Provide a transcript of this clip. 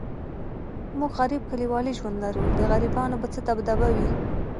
موږ غریب کلیوالي ژوند لرو، د غریبانو به څه دبدبه وي.